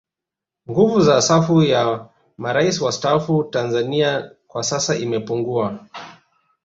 Nguvu ya safu ya Marais wastaafu Tanzania kwa sasa imepungua